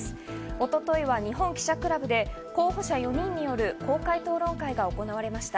一昨日は日本記者クラブで候補者４人による公開討論会が行われました。